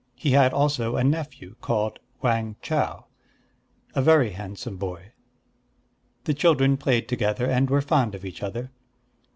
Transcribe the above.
He had also a nephew called Wang Chau, a very handsome boy. The children played together, and were fond of each other.